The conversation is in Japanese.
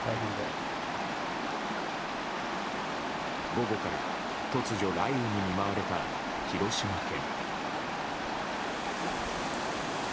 午後から突如雷雨に見舞われた広島県。